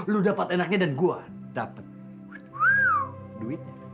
lo dapat enaknya dan gua dapat duitnya